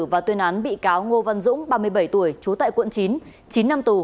và tuyên án bị cáo ngô văn dũng ba mươi bảy tuổi trú tại quận chín chín năm tù